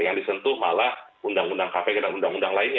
yang disentuh malah undang undang kpk dan undang undang lainnya